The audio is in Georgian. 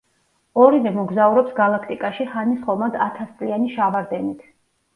ორივე მოგზაურობს გალაქტიკაში ჰანის ხომალდ ათასწლიანი შავარდენით.